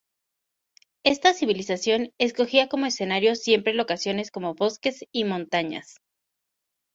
Esta civilización escogía como escenario siempre locaciones como bosques y montañas.